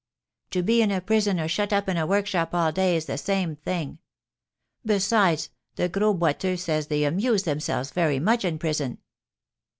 "To be in a prison or shut up in a workshop all day is the same thing. Besides, the Gros Boiteux says they amuse themselves very much in prison."